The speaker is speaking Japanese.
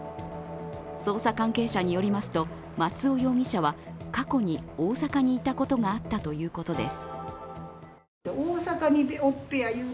捜査関係者によりますと松尾容疑者は過去に大阪にいたことがあったということです。